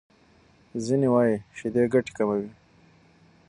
ځینې وايي شیدې ګټې کموي.